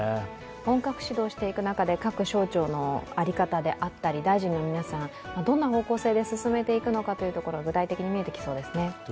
本格始動していく中で各省庁の在り方であったり大臣の皆さん、どんな方向性で進めていくのかというところ具体的に見えてきそうですね。